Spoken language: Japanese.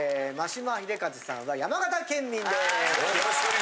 眞島秀和さんは山形県民です！